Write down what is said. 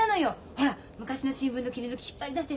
ほら昔の新聞の切り抜き引っ張り出してさ。